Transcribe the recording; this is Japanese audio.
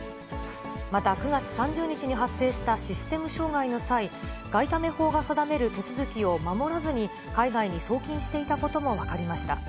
また、９月３０日に発生したシステム障害の際、外為法が定める手続きを守らずに、海外に送金していたことも分かりました。